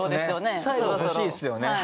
最後欲しいですよね。